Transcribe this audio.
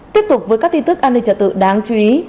tiếp tục với các tin tức an ninh trật tự đáng chú ý